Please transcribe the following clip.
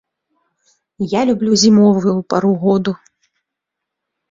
Я люблю зімовую пару году.